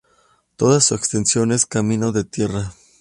Toda su extensión es camino de tierra.